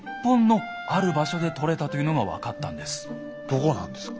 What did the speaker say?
どこなんですか？